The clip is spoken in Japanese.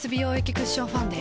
クッションファンデ